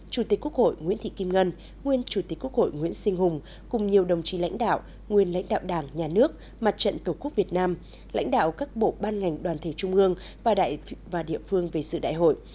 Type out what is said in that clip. chủ tịch quốc hội nguyễn thị kim ngân nguyên chủ tịch quốc hội nguyễn sinh hùng cùng nhiều đồng chí lãnh đạo nguyên lãnh đạo đảng nhà nước mặt trận tổ quốc việt nam lãnh đạo các bộ ban ngành đoàn thể trung ương và địa phương về dự đại hội